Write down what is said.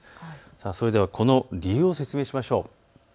それではこの理由を説明しましょう。